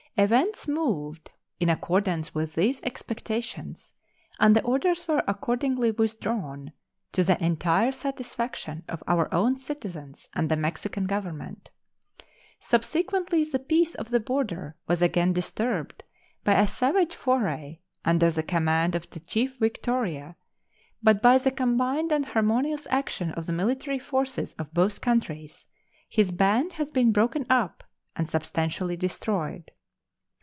Events moved in accordance with these expectations, and the orders were accordingly withdrawn, to the entire satisfaction of our own citizens and the Mexican Government. Subsequently the peace of the border was again disturbed by a savage foray under the command of the Chief Victoria, but by the combined and harmonious action of the military forces of both countries his band has been broken up and substantially destroyed.